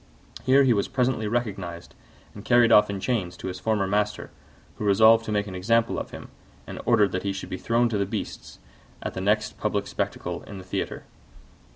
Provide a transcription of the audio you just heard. Here he was presently recognised and carried off in chains to his former master, who resolved to make an example of him, and ordered that he should be thrown to the beasts at the next public spectacle in the theatre.